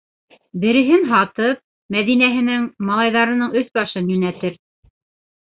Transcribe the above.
Береһен һатып, Мәҙинәһенең, малайҙарының өҫ-башын йүнәтер.